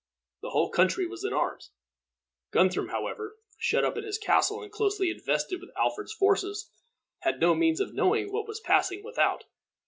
The whole country was in arms. Guthrum, however, shut up in his castle, and closely invested with Alfred's forces, had no means of knowing what was passing without.